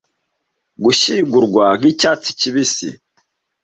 gushyingurwa nkicyatsi kibisi